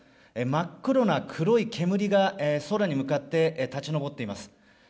真っ黒な黒い煙が空に向かって立ち上っています。